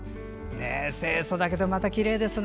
清そだけど、またきれいですね。